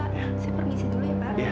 saya permisi dulu ya pak